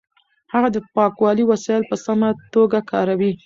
هغه د پاکوالي وسایل په سمه توګه کاروي.